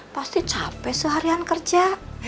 pasti capek seharian kerja